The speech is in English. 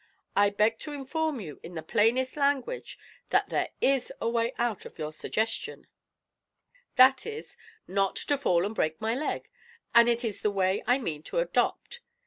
I beg to inform you in the plainest language that there is a way out of your suggestion that is, not to fall and break my leg, and it is the way I mean to adopt.